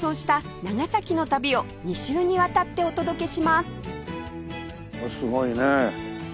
すごいねえ。